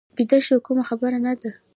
بیده شو، کومه خبره نه ده.